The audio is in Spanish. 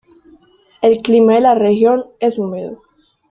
El clima de la región es húmedo.